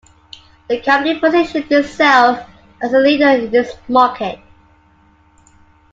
The company positions itself as a leader in its market.